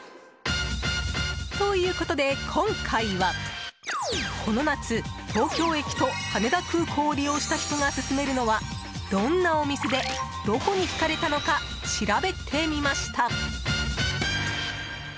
ということで今回はこの夏、東京駅と羽田空港を利用した人が薦めるのはどんなお店でどこに引かれたのか調べてみました。